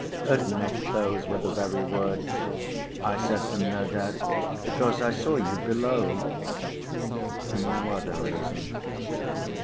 "Admit those were the very words. I said them, no doubt, because I saw you below." "For no other reason?"